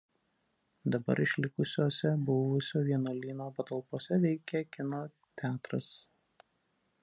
Dabar išlikusiose buvusio vienuolyno patalpose veikia kino teatras.